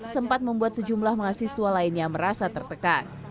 sempat membuat sejumlah mahasiswa lainnya merasa tertekan